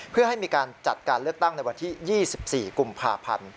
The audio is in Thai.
เพื่อให้มีการจัดการเลือกตั้งในวันที่๒๔กุมภาพันธ์